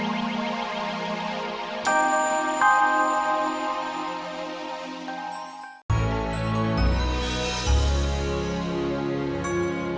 di mana kau divisa